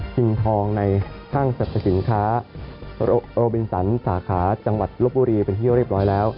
ทองในห้างสรรพสินค้าโรบินสันสาขาจังหวัดลบบุรีเป็นที่เรียบร้อยแล้ว